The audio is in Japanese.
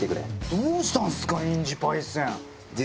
どうしたんすかインジパイセン。